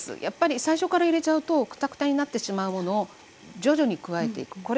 やっぱり最初から入れちゃうとくたくたになってしまうものを徐々に加えていく。